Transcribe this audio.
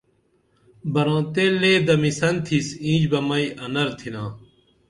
برانتے لے دمِسن تِھیس اینچ بہ مئی انر تِھنا